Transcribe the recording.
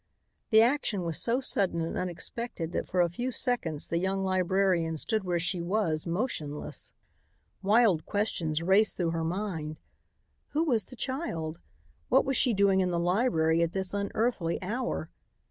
The action was so sudden and unexpected that for a few seconds the young librarian stood where she was, motionless. Wild questions raced through her mind: Who was the child? What was she doing in the library at this unearthly hour?